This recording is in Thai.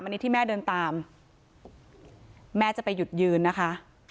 อันนี้ที่แม่เดินตามแม่จะไปหยุดยืนนะคะ